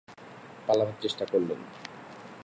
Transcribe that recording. পালাতে চেষ্টা করলেন।